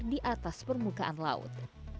di atas permukaan laut